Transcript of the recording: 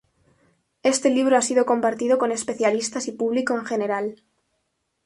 Este libro ha sido compartido con especialistas y público en general.